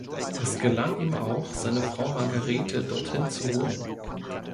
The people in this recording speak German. Es gelang ihm auch, seine Frau Margarete dorthin zu holen.